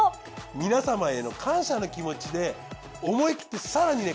皆さまへの感謝の気持ちで思い切って更にね